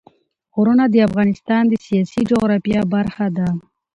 غرونه د افغانستان د سیاسي جغرافیه برخه ده.